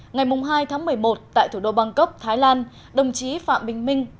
ngày hai tháng một mươi một tại thủ đô bangkok thái lan đồng chí phạm bình minh